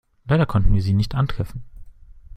Leider konnten wir Sie nicht antreffen.